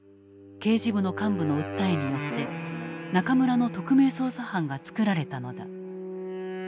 刑事部の幹部の訴えによって中村の特命捜査班が作られたのだ。